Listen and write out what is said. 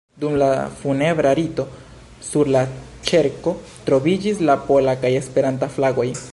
Dum la funebra rito, sur la ĉerko troviĝis la pola kaj Esperanta flagoj.